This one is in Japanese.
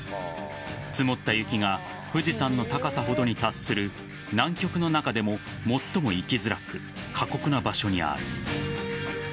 積もった雪が富士山の高さほどに達する南極の中でも最も行きづらく過酷な場所にある。